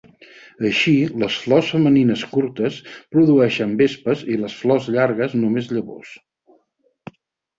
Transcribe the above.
Així, les flors femenines curtes produeixen vespes i les flors llargues només llavors.